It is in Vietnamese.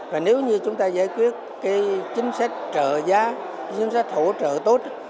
và nếu như chúng ta giải quyết chính sách trợ giá chính sách thổ trợ tốt